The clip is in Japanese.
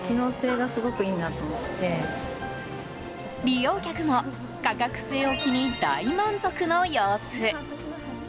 利用客も価格据え置きに大満足の様子。